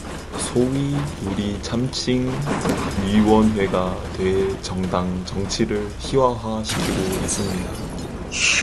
소위 윤리참칭위원회가 돼 정당 정치를 희화화시키고 있습니다.